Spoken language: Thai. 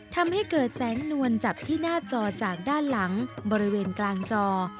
ทำให้เกิดแสงนวลจับที่หน้าจอจากด้านหลังบริเวณกลางจอ